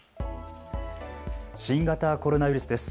新型コロナウイルスです。